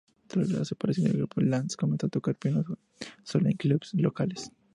Tras la separación del grupo, Lanz comenzó a tocar piano solo en clubs locales.